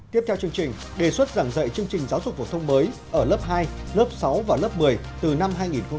tiếp theo chương trình đề xuất giảng dạy chương trình giáo dục phổ thông mới ở lớp hai lớp sáu và lớp một mươi từ năm hai nghìn một mươi tám